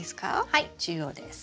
はい中央です。